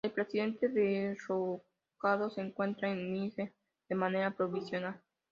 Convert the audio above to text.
El presidente derrocado se encuentra en Níger de manera provisional.